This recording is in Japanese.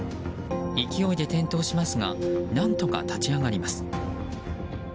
勢いで転倒しますが何とか立ち上がります。